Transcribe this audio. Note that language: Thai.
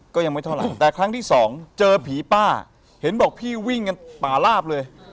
ก็ยังไม่เท่าไหร่แต่ครั้งที่สองเจอผีป้าเห็นบอกพี่วิ่งกันป่าลาบเลย